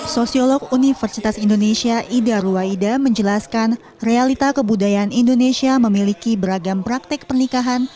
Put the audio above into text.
sosiolog universitas indonesia ida ruwaida menjelaskan realita kebudayaan indonesia memiliki beragam praktek pernikahan